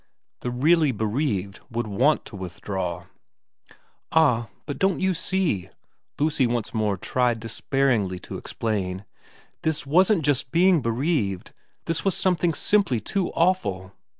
The really bereaved would want to withdraw ' Ah, but don't you see,' Lucy once more tried despairingly to explain, ' this wasn't just being bereaved this was something simply too awful.